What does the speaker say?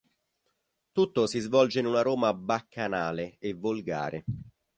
Tutto si svolge in una Roma baccanale e volgare.